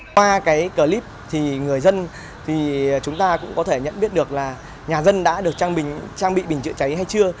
qua clip người dân cũng có thể nhận biết được nhà dân đã được trang bị bình chữa cháy hay chưa